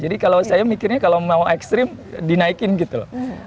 jadi kalau saya mikirnya kalau mau ekstrim dinaikin gitu loh